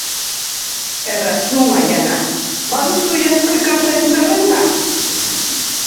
Errazu, Maiana, baduzu iazko ikasleen zerrenda?